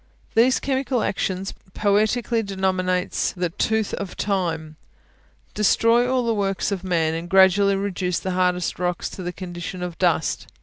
These chemical actions, poetically denominates the "tooth of time," destroy all the works of man, and gradually reduce the hardest rocks to the condition of dust.